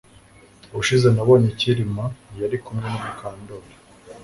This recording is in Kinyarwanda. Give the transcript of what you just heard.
Ubushize nabonye Kirima yari kumwe na Mukandoli